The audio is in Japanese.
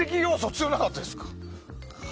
強くなかったですか？